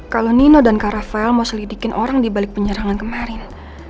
kalau nino dan karavel mau selidikin orang di balik penyerangan kemarin